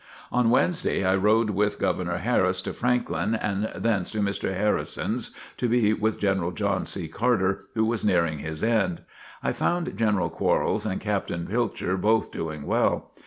On Wednesday, I rode with Governor Harris to Franklin and thence to Mr. Harrison's, to be with General John C. Carter who was nearing his end. I found General Quarles and Captain Pilcher both doing well.